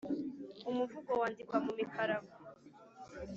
umuvugo wandikwa mu mikarago.